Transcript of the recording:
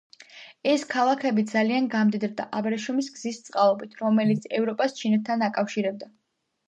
ეს ქალაქები ძალიან გამდიდრდა აბრეშუმის გზის წყალობით, რომელიც ევროპას ჩინეთთან აკავშირებდა.